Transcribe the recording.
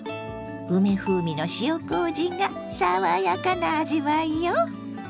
梅風味の塩こうじが爽やかな味わいよ！